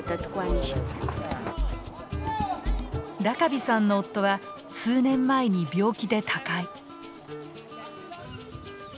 ラカビさんの夫は数年前に病気で他界。